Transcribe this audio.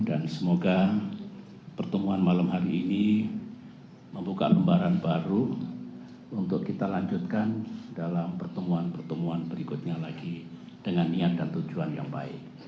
dan semoga pertemuan malam hari ini membuka lembaran baru untuk kita lanjutkan dalam pertemuan pertemuan berikutnya lagi dengan niat dan tujuan yang baik